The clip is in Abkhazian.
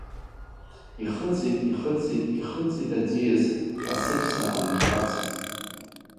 Ихыҵит, ихыҵит, ихыҵит, аӡиас, асыԥса антҟәац.